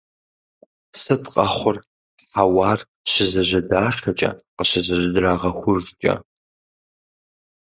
Сыт къэхъур хьэуар щызэжьэдашэкӀэ, къыщызэжьэдрагъэхужкӀэ?